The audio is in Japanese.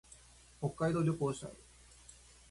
北海道旅行したい。